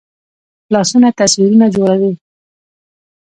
لاسونه تصویرونه جوړوي